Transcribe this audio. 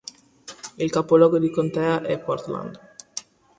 Il capoluogo di contea è Portland.